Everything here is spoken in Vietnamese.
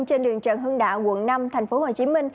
trên đường trần hương đạo quận năm tp hcm